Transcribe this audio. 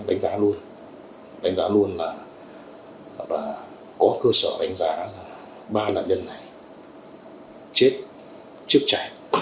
đánh giá luôn đánh giá luôn là có cơ sở đánh giá là ba nạn nhân này chết trước trẻ